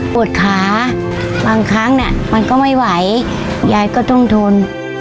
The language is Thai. ปวดขาบางครั้งเนี่ยมันก็ไม่ไหวยายก็ต้องทน